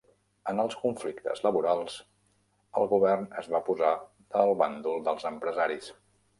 En els conflictes laborals, el govern es va posar del bàndol dels empresaris.